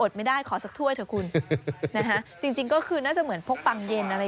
ไม่ได้ขอสักถ้วยเถอะคุณนะฮะจริงจริงก็คือน่าจะเหมือนพกปังเย็นอะไร